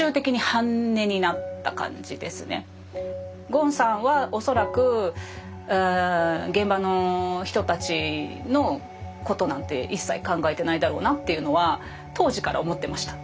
ゴーンさんは恐らく現場の人たちのことなんて一切考えてないだろうなっていうのは当時から思ってました。